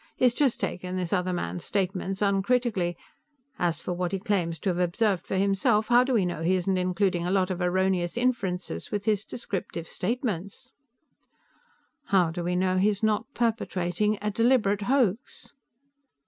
He's just taken this other man's statements uncritically. As for what he claims to have observed for himself, how do we know he isn't including a lot of erroneous inferences with his descriptive statements?" "How do we know he's not perpetrating a deliberate hoax?"